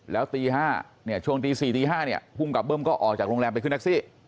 แล้วตี๔๕ช่วงตี๔๕พุ่งกลับเบิ้มก็ออกจากโรงแรมไปขึ้นแน็กซี่